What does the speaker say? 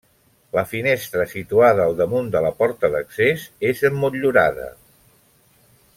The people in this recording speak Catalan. La finestra situada al damunt de la porta d'accés és emmotllurada.